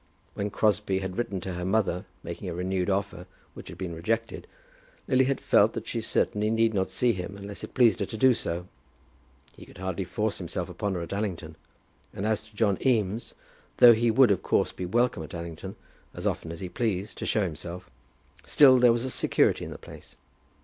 When Crosbie had written to her mother, making a renewed offer which had been rejected, Lily had felt that she certainly need not see him unless it pleased her to do so. He could hardly force himself upon her at Allington. And as to John Eames, though he would, of course, be welcome at Allington as often as he pleased to show himself, still there was a security in the place.